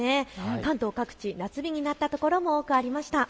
関東各地、夏日になった所も多くありました。